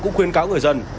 cũng khuyên cáo người dân